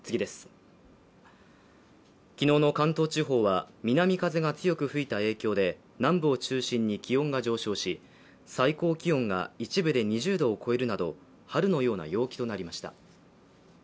昨日の関東地方は南風が強く吹いた影響で南部を中心に気温が上昇し最高気温が一部で２０度を超えるなど春のような陽気となりました。